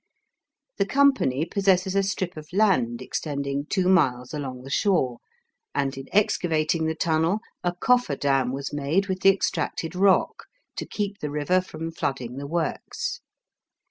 The company possesses a strip of land extending two miles along the shore; and in excavating the tunnel a coffer dam was made with the extracted rock, to keep the river from flooding the works.